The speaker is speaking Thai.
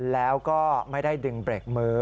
แล้วก็ไม่ได้ดึงเบรกมือ